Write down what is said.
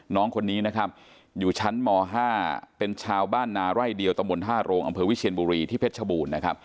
น้องคนนี้อยู่ชั้นม๕เป็นชาวบ้านนาไร่เดียวตะบน๕โรงอำเภอวิเชียนบุรีที่เพชรชะบูรณ์